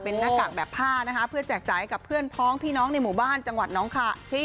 เป็นหน้ากากแบบผ้านะคะเพื่อแจกจ่ายให้กับเพื่อนพ้องพี่น้องในหมู่บ้านจังหวัดน้องคาที่